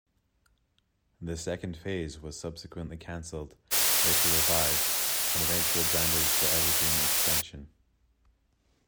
The second phase was subsequently cancelled, later revived and eventually branded the Evergreen Extension.